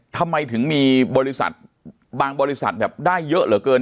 ทำไมถึงมีบริษัทบางบริษัทแบบได้เยอะเหลือเกิน